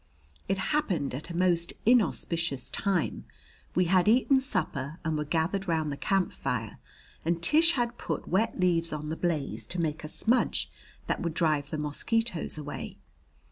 It happened at a most inauspicious time. We had eaten supper and were gathered round the camp fire and Tish had put wet leaves on the blaze to make a smudge that would drive the mosquitoes away.